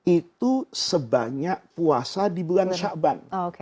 itu sebanyak puasa di bulan syaban